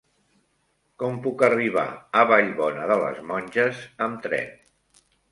Com puc arribar a Vallbona de les Monges amb tren?